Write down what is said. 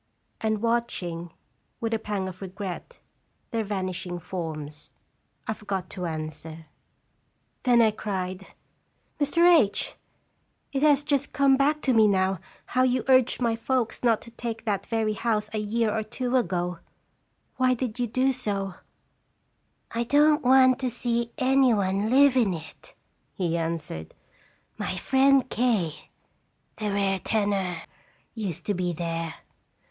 And watch ing, with a pang of regret, their vanishing forms, I forgot to answer. irje EDectfr JDectfr?" 305 Then I cried: "Mr. H , it has just come back to me how you urged my folks not to take that very house a year or two ago.. Why did you do so ?''" I don't want to see any one live in ft, ".he answered. "My friend K , the rare tenor, used to be there.